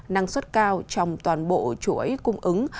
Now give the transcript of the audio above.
năng suất cao trong toàn bộ chuỗi cung ứng